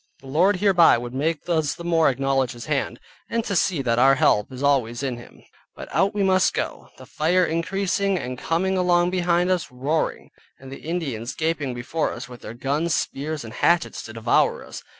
The Lord hereby would make us the more acknowledge His hand, and to see that our help is always in Him. But out we must go, the fire increasing, and coming along behind us, roaring, and the Indians gaping before us with their guns, spears, and hatchets to devour us.